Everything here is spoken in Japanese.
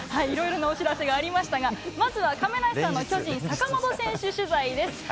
いろいろなお知らせがありましたがまずは亀梨さんの巨人、坂本選手取材です。